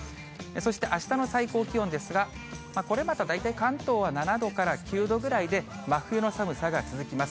そしてあしたの最高気温ですが、これまた大体、関東は７度から９度ぐらいで、真冬の寒さが続きます。